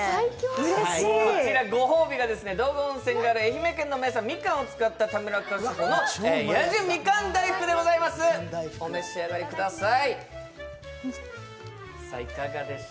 こちらご褒美が道後温泉がある愛媛県のみかんを使った田村菓子舗の八寿みかん大福でございます、お召し上がりください。